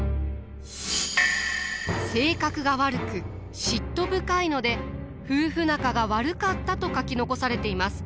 性格が悪く嫉妬深いので夫婦仲が悪かったと書き残されています。